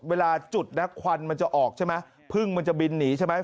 เวลาจุดนะควันมันจะออกใช่ไหมพึ่งมันจะบินหนีใช่ไหม